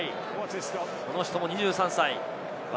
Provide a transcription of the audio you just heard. この人も２３歳。